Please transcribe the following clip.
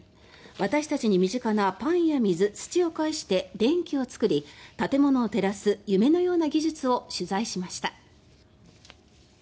私たちに身近なパンや水土を介して電気を作り建物を照らす夢のような技術を取材しました。